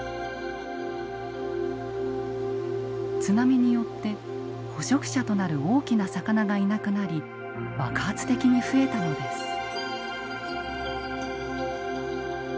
津波によって捕食者となる大きな魚がいなくなり爆発的に増えたのです。